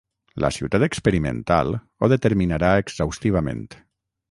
La ciutat experimental ho determinarà exhaustivament.